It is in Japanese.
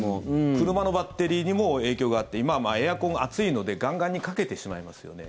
車のバッテリーにも影響があって今はエアコンが暑いので、ガンガンにかけてしまいますよね。